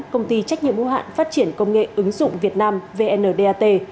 công ty trách nhiệm ưu hạn phát triển công nghệ ứng dụng việt nam vndat